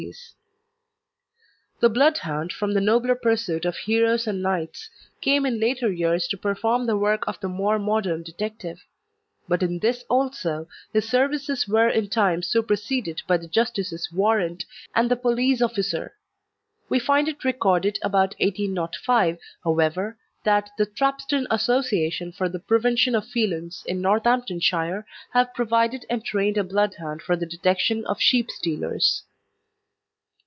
OLIPHANT, SHREWTON, WILTS] The Bloodhound, from the nobler pursuit of heroes and knights, came in later years to perform the work of the more modern detective; but in this also his services were in time superseded by the justice's warrant and the police officer. We find it recorded about 1805, however, that "the Thrapston Association for the Prevention of Felons in Northamptonshire have provided and trained a Bloodhound for the detection of sheep stealers."